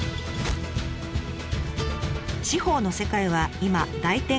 司法の世界は今大転換期。